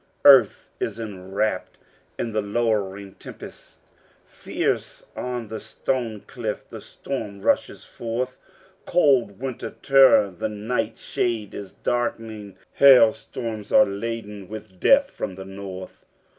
Earth is enwrapped in the lowering tempest, Fierce on the stone cliff the storm rushes forth, Cold winter terror, the night shade is dark'ning, Hail storms are laden with death from the north.